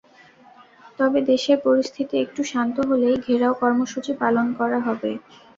তবে দেশের পরিস্থিতি একটু শান্ত হলেই ঘেরাও কর্মসূচি পালন করা হবে।